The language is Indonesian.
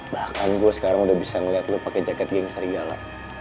bahkan gue sekarang udah bisa ngeliat lo pakai jaket geng serigala